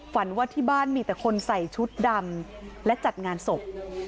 ฝันว่าที่บ้านมีแต่คนใส่ชุดดำและจัดงานศพ